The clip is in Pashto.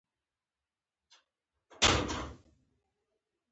د ادم خان د پلار نوم حسن خان